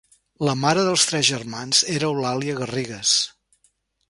La mare dels tres germans era Eulàlia Garrigues.